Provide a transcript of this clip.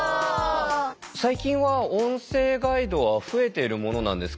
最近は音声ガイドは増えてるものなんですかね。